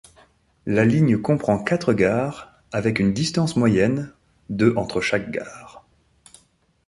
La ligne comprend quatre gares avec une distance moyenne de entre chaque gare.